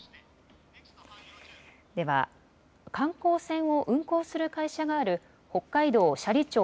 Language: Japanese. では、観光船を運航する会社がある北海道斜里町